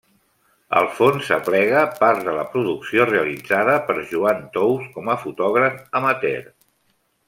El fons aplega part de la producció realitzada per Joan Tous com a fotògraf amateur.